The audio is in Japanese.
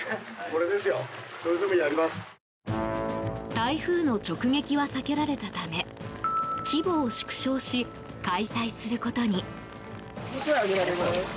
台風の直撃は避けられたため規模を縮小し開催することに。